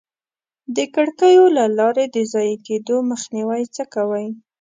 د کړکیو له لارې د ضایع کېدو مخنیوی څه کوئ؟